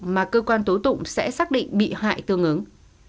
mà cơ quan tố tụng sẽ xác định bị hại tương ứng